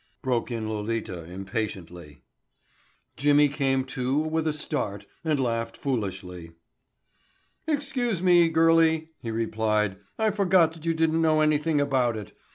broke in Lolita impatiently. Jimmy came to with a start and laughed foolishly. "Excuse me, girlie," he replied. "I forgot that you didn't know anything about it.